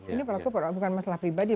ini bukan masalah pribadi